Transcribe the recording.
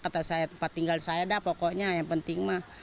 kata saya tempat tinggal saya dah pokoknya yang penting mah